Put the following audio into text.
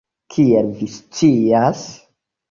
Kiel vi scias?